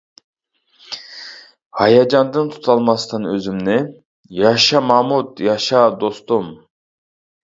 ھاياجاندىن تۇتالماستىن ئۆزۈمنى، ياشا مامۇت، ياشا دوستۇم!